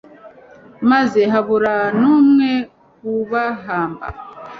maze habura n'umwe ubahamba